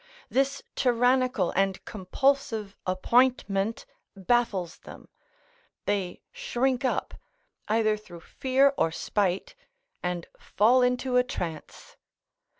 This tyrannical and compulsive appointment baffles them; they shrink up either through fear or spite, and fall into a trance.